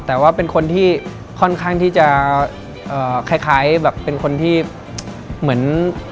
แต่ว่าเป็นคนที่ค่อนข้างที่จะคล้ายแบบเป็นคนที่เหมือน